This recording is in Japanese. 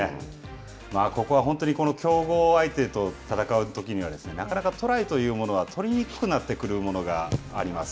ここは本当に強豪相手と戦うときは、なかなかトライというものは取りにくくなってくるものがあります。